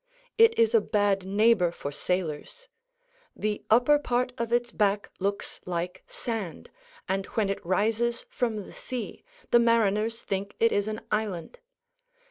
It is a bad neighbor for sailors. The upper part of its back looks like sand, and when it rises from the sea, the mariners think it is an island.